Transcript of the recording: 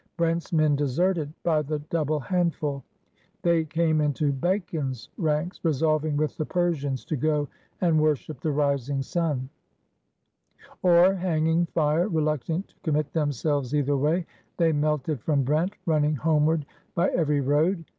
Brent's men deserted by the double handful. They came into Bacon's ranks '* resolving with the Persians to go and worship the rising sun.'' Or, hanging fire, reluctant to commit themselves either way, they melted from Brent> running homeward by REBELLION AND CHANGE 186 every road.